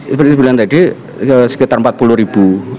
seperti bilang tadi sekitar empat puluh ribu